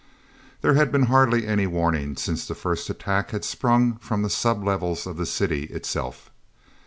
There had been hardly any warning, since the first attack had sprung from the sub levels of the city itself.